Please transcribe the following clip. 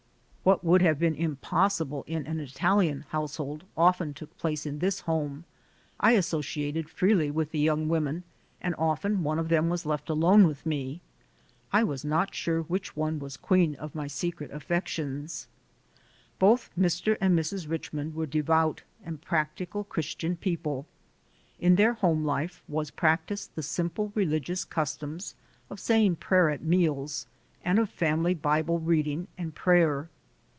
What would have been impossible in an Italian household often took place in this home. I as sociated freely with the young women, and often one of them was left alone with me. I was not sure which one was queen of my secret affections. Both Mr. and Mrs. Richmond were devout and practical Christian people; in their home life was practised the simple religious customs of saying prayer at meals, and of family Bible reading and prayer.